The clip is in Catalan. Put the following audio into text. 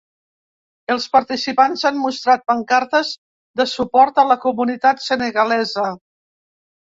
Els participants han mostrat pancartes de suport a la comunitat senegalesa.